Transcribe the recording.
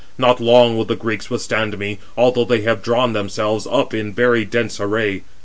Not long will the Greeks withstand me, although they have drawn themselves up in very dense array.